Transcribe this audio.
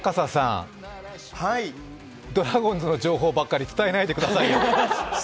ドラゴンズの情報ばっかり伝えないでください。